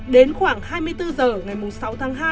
đến khoảng hai mươi bốn h ngày sáu tháng hai